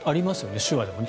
手話でも。